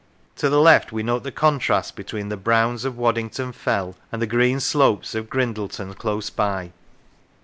To the left we note the contrast between the browns of Waddington Fell and the green slopes of Grindleton close by.